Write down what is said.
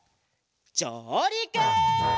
じょうりく！